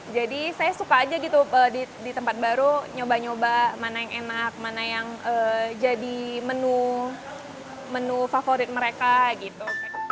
jadi saya suka aja gitu di tempat baru nyoba nyoba mana yang enak mana yang jadi menu favorit mereka gitu